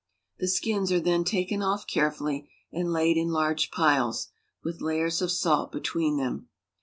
The skins are then taken carefully off, and laid in large piles, with layers of salt between them.